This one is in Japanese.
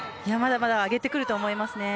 まだまだ上げてくると思います。